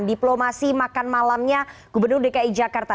diplomasi makan malamnya gubernur dki jakarta